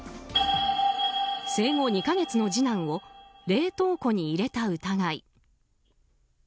生後２か月の次男を冷凍庫に入れた疑い。